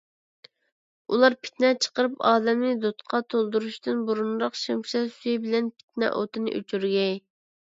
ئۇلار پىتنە چىقىرىپ ئالەمنى دۇتقا تولدۇرۇشتىن بۇرۇنراق شەمشەر سۈيى بىلەن پىتنە ئوتىنى ئۆچۈرگەي.